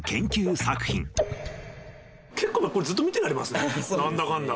結構これ、ずっと見てられますね、なんだかんだ。